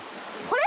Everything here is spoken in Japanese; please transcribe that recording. これ？